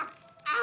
あ！